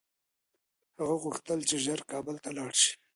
هغه غوښتل چي ژر کابل ته لاړ شي.